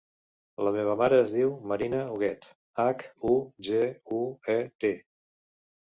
La meva mare es diu Marina Huguet: hac, u, ge, u, e, te.